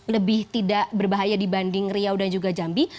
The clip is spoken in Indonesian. lebih tidak berbahaya dibanding riau dan juga jambi